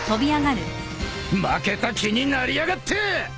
負けた気になりやがって！